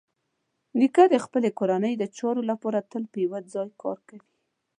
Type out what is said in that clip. نیکه د خپلې کورنۍ د چارو لپاره تل په یوه ځای کار کوي.